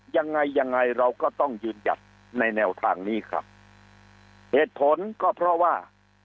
ยังไงยังไงเราก็ต้องยืนหยัดในแนวทางนี้ครับเหตุผลก็เพราะว่า